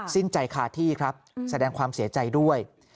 สิ้นใจคาที่ครับแสดงความเสียใจด้วย